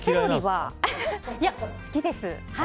いや好きです。